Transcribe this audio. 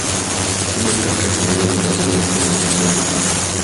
Mfugo kutafuta kivuli ni dalili ya kuwa na ugonjwa wa mapafu